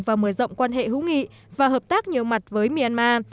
và mở rộng quan hệ hữu nghị và hợp tác nhiều mặt với myanmar